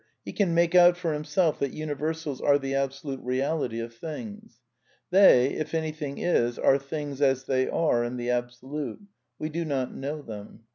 He can make out for himself that universals are the abso lute reality of things. They, if anything is, are things as they are in the Absolute. We do not know them.